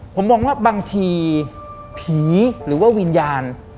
ผมมองว่าบางทีผีหรือว่าวิญญาณ